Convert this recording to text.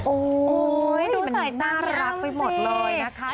โอ้โหมันน่ารักไปหมดเลยนะคะ